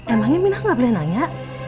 emangnya minah gak boleh nanya